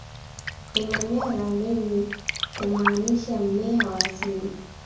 Emanyara lenye kumaanisha mmea wa asili